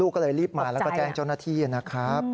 ก็เลยรีบมาแล้วก็แจ้งเจ้าหน้าที่นะครับ